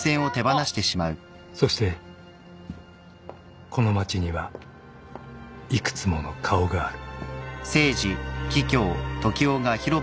［そしてこの街には幾つもの顔がある］